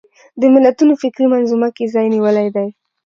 د ملتونو فکري منظومه کې ځای نیولی دی